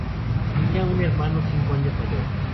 Tenía un hermano cinco años mayor.